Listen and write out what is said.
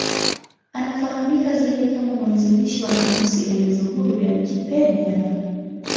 Anafahamika zaidi kama mwanzilishi wa kamusi elezo huru ya Wikipedia.